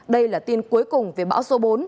đây là tin cuối cùng về bão số bốn